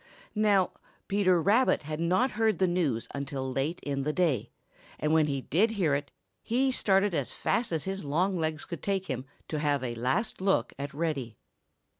Now, Peter Rabbit had not heard the news until late in the day, and when he did hear it, he started as fast as his long legs could take him to have a last look at Reddy.